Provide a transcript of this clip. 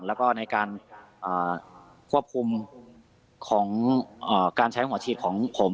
แล้วก็ในการควบคุมของการใช้หัวฉีดของผม